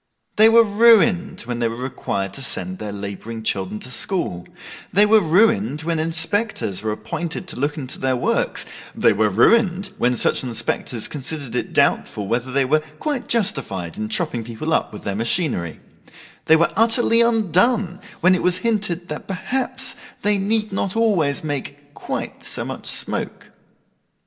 They were ruined, when they were required to send labouring children to school; they were ruined when inspectors were appointed to look into their works; they were ruined, when such inspectors considered it doubtful whether they were quite justified in chopping people up with their machinery; they were utterly undone, when it was hinted that perhaps they need not always make quite so much smoke.